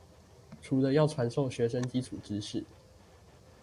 除了要傳授學生基礎知識